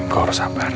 gue harus sabar